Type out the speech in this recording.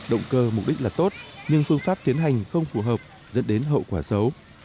động cơ mục đích là tốt nhưng phương pháp tiến hành không phù hợp dẫn đến hậu quả xấu